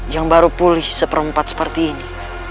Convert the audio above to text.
yang baru pulih seperempat seperti ini